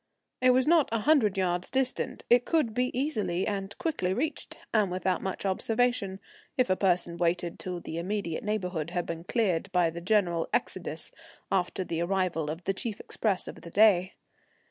It was not a hundred yards distant; it could be easily and quickly reached, and without much observation, if a person waited till the immediate neighbourhood had been cleared by the general exodus after the arrival of the chief express of the day.